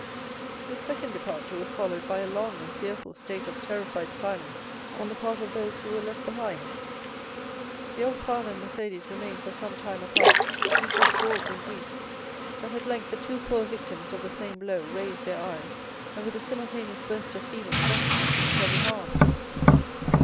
This second departure was followed by a long and fearful state of terrified silence on the part of those who were left behind. The old father and Mercédès remained for some time apart, each absorbed in grief; but at length the two poor victims of the same blow raised their eyes, and with a simultaneous burst of feeling rushed into each other's arms.